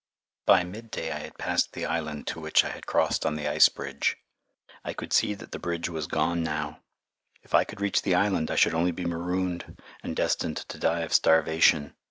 By mid day I had passed the island to which I had crossed on the ice bridge. I could see that the bridge was gone now. If I could reach the island I should only be marooned and destined to die of starvation.